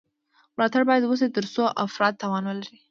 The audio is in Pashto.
ملاتړ باید وشي ترڅو افراد توان ولري.